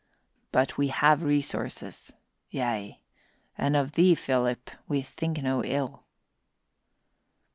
But we have resources; yea, and of thee, Philip, we think no ill."